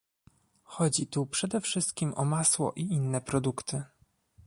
Chodzi tu przede wszystkim o masło i inne produkty